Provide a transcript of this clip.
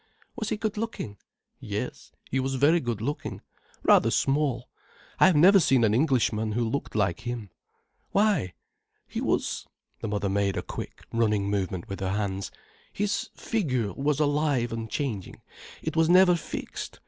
"Was he good looking?" "Yes—he was very good looking—rather small. I have never seen an Englishman who looked like him." "Why?" "He was"—the mother made a quick, running movement with her hands—"his figure was alive and changing—it was never fixed.